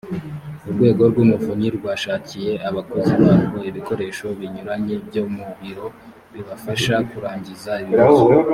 urwego rw’umuvunyi rwashakiye abakozi barwo ibikoresho binyuranye byo mu biro bibafasha kurangiza ibibazo